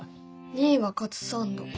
２位はカツサンド。